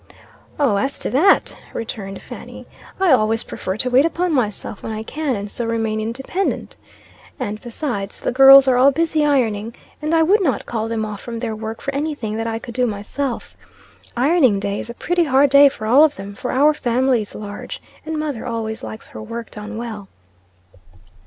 "Oh, as to that," returned Fanny, "I always prefer to wait upon myself when I can, and so remain independent. And besides, the girls are all busy ironing, and I would not call them off from their work for any thing that I could do myself. Ironing day is a pretty hard day for all of them, for our family is large, and mother always likes her work done well."